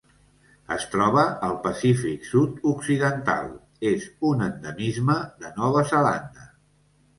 Es troba al Pacífic sud-occidental: és un endemisme de Nova Zelanda.